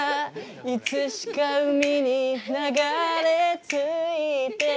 「いつしか海に流れ着いて光って」